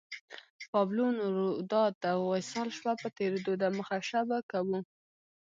پابلو نوروداد وصال شپه په تېرېدو ده مخه شه به کوو